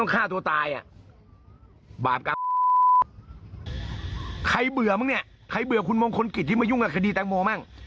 ใครเบื่อมโง้เนี่ยใครเบื่อคุณมงคลคิดที่มายุ่งกับคดีแตงโม่มั่ง